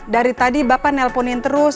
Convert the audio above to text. dari tadi bapak nelponin terus